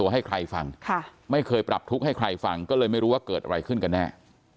ให้ใครฟังไม่เคยปรับทุกข์ให้ใครฟังก็เลยไม่รู้ว่าเกิดอะไรขึ้นกันแน่